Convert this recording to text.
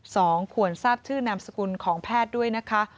ควรทราบชื่อนามสกุลของแพทย์ด้วยนะคะ